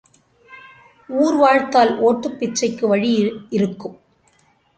ஊர் வாழ்த்தால் ஓட்டுப் பிச்சைக்கு வழி இருக்கும்.